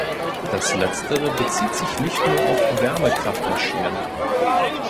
Das letztere bezieht sich nicht nur auf Wärmekraftmaschinen.